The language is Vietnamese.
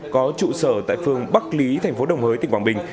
có trụ sở tại phương bắc lý thành phố đồng hới tỉnh quảng bình